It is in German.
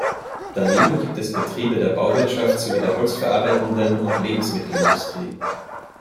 Daneben gibt es Betriebe der Bauwirtschaft sowie der holzverarbeitenden und Lebensmittelindustrie.